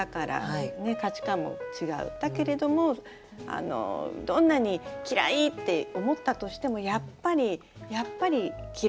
だけれどもどんなに嫌いって思ったとしてもやっぱりやっぱり嫌いになれない。